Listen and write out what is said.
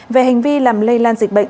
về hành vi làm lây lan dịch bệnh